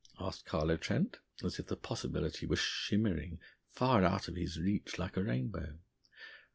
asked Carlo Trent, as if the possibility were shimmering far out of his reach like a rainbow.